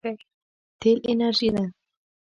تېل انرژي ده.